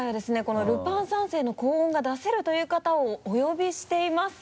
この「ルパン三世」の高音が出せるという方をお呼びしています。